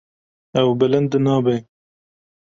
Ew bilind nabe.